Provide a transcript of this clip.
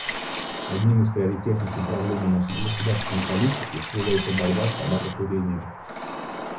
Одним из приоритетных направлений нашей государственной политики является борьба с табакокурением.